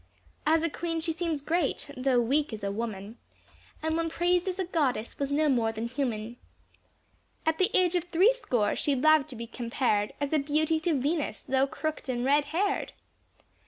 As a Queen she seems great, though weak as a woman, And when praised as a Goddess, was no more than human; At the age of threescore, she loved to be compared As a beauty to Venus, though crook'd and red haired.